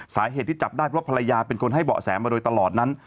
สาเหตุที่จับได้เพราะภรรยาเป็นคนให้เบาะแสมาโดยตลอดนั้น